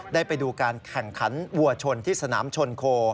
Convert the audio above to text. ได้ไปดูการแข่งขันวัวชนที่สนามชนโค